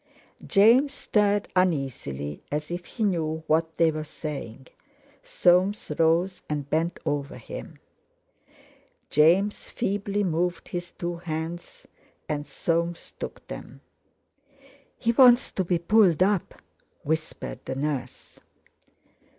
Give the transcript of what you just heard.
James stirred uneasily, as if he knew what they were saying. Soames rose and bent over him. James feebly moved his two hands, and Soames took them. "He wants to be pulled up," whispered the nurse.